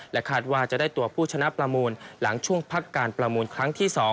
คาดว่าจะได้ตัวผู้ชนะประมูลหลังช่วงพักการประมูลครั้งที่๒